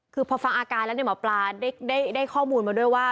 คือพอฟังอาการแล้วเนี่ยหมอปลาได้ข้อมูลมาด้วยว่า